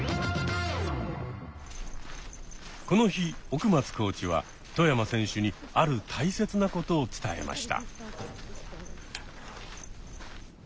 この日奥松コーチは外山選手にある大切なことを伝えました。